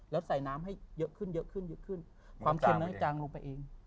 แล้วใส่น้ำให้เยอะขึ้นความเค็มน้ำจางลงไปเอง